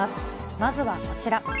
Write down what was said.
まずはこちら。